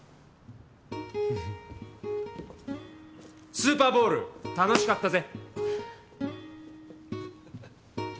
スーパーボール楽しかったぜ！